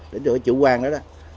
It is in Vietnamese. đến rồi chủ quan đó đó